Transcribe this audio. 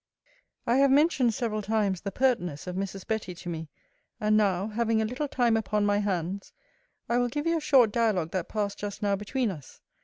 I have mentioned several times the pertness of Mrs. Betty to me; and now, having a little time upon my hands, I will give you a short dialogue that passed just now between us.